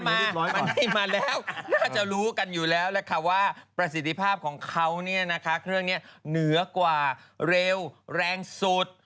น่าจะรู้กันอยู่แล้วว่าประสิทธิภาพของเค้าเนี่ยเนื้อกว่าเร็วแรงสุด